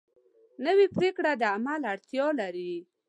نوې پریکړه د عمل اړتیا لري